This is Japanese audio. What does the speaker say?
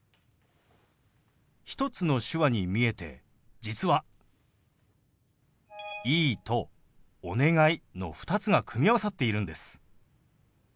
１つの手話に見えて実は「いい」と「お願い」の２つが組み合わさっているんです。